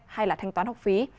hay là thanh toán học phí